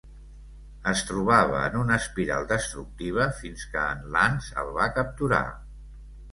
Es trobava en una espiral destructiva fins que en Lance el va capturar.